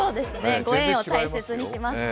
ご縁を大切にします。